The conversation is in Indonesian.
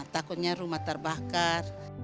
takutnya rumah terbakar